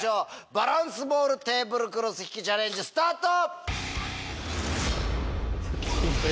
バランスボールテーブルクロス引きチャレンジスタート！